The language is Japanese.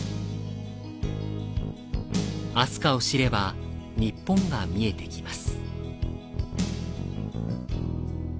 明日香を知れば、日本が見えてきます。